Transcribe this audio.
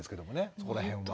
そこら辺は。